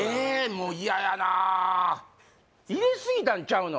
もう嫌やなあ入れすぎたんちゃうの？